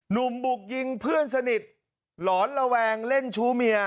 หนุ่มบุกยิงเพื่อนสนิทหลอนระแวงเล่นชู้เมีย